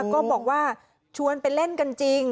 ก็บอกว่าชวนไปเล่นกันจริง